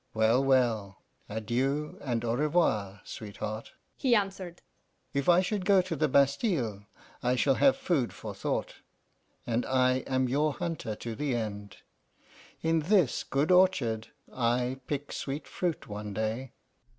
'Well, well, adieu and au revoir, sweetheart,' he answered. 'If I should go to the Bastile, I shall have food for thought; and I am your hunter to the end. In this good orchard I pick sweet fruit one day.